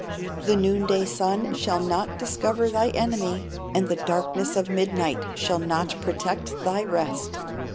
The noon day sun shall not discover thy enemy, and the darkness of midnight shall not protect thy rest.